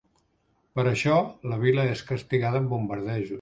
Per això, la vila és castigada amb bombardejos.